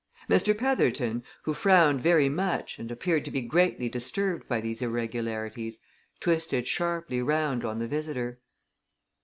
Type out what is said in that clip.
Mr. Petherton, who frowned very much and appeared to be greatly disturbed by these irregularities, twisted sharply round on the visitor.